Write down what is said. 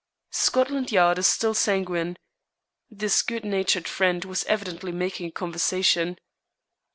"Scotland Yard is still sanguine." This good natured friend was evidently making a conversation.